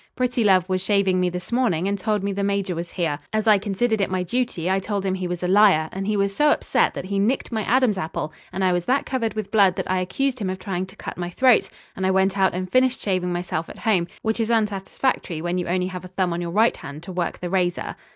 Prettilove was shaving me this morning and told me the Major was here. As I considered it my duty, I told him he was a liar, and he was so upset that he nicked my Adam's apple and I was that covered with blood that I accused him of trying to cut my throat, and I went out and finished shaving myself at home, which is unsatisfactory when you only have a thumb on your right hand to work the razor."